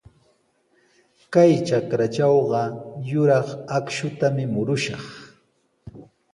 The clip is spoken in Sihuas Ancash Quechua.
Kay trakratrawqa yuraq akshutami murushaq.